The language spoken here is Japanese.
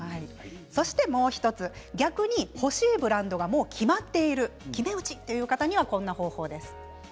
もう１つ、逆に欲しいブランドがもう決まっている決め打ちという方にはこんな方法です。